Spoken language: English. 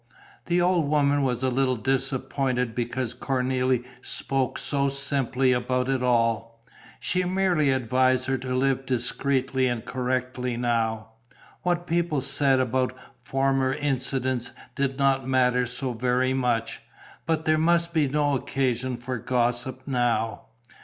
The old woman was a little disappointed because Cornélie spoke so simply about it all. She merely advised her to live discreetly and correctly now. What people said about former incidents did not matter so very much. But there must be no occasion for gossip now.